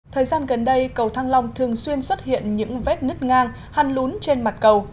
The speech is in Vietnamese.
thời gian gần đây cầu thăng long thường xuyên xuất hiện những vết nứt ngang hăn lún trên mặt cầu